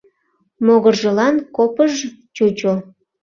Могыржылан копыж-ж чучо.